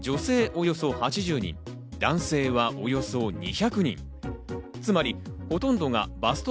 およそ８０人、男性はおよそ２００人。